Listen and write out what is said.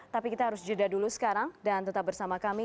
tapi kita harus jeda dulu sekarang dan tetap bersama kami